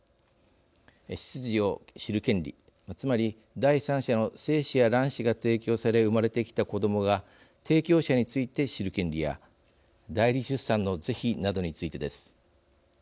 出自を知る権利つまり第三者の精子や卵子が提供され生まれてきた子どもが提供者について知る権利や代理出産の是非などについてです。